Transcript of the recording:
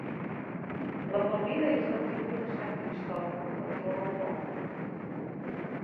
La palmera és l'atribut de sant Cristòfol, patró del poble.